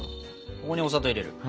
ここにお砂糖入れる。